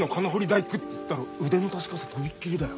大工っつったら腕の確かさはとびっきりだよ。